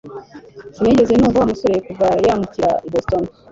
Sinigeze numva Wa musore kuva yimukira i Boston